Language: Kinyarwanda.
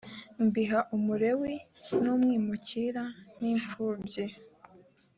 mbiha umulewi n umwimukira n imfubyi